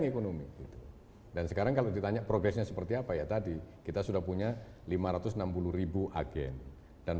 ekonomi dan sekarang kalau ditanya progresnya seperti apa ya tadi kita sudah punya lima ratus enam puluh agen dan